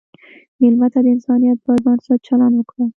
مېلمه ته د انسانیت پر بنسټ چلند وکړه.